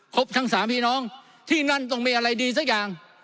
ทั้งสามพี่น้องที่นั่นต้องมีอะไรดีสักอย่าง